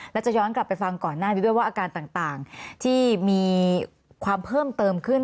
และจะย้อนกลับไปฟังก่อนหน้านี้ด้วยว่าอาการต่างที่มีความเพิ่มเติมขึ้น